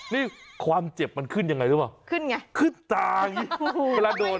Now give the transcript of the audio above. นี่ความเจ็บมันขึ้นยังไงรู้หรือเปล่าขึ้นตาเมื่อโดน